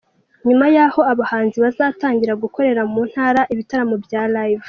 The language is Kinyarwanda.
Nyuma yaho abahanzi bazatangira gukorera mu Ntara ibitaramo bya Live.